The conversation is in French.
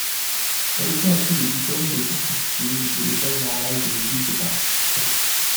Elle obtient aussi le Diplôme de concertiste de l'École Normale de Musique de Paris.